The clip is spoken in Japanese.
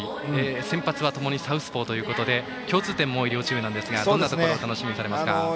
先発はともにサウスポーということで共通点も多い両チームですがどんなところが楽しみですか。